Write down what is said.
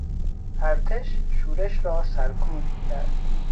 ارتش شورش را سرکوب کرد.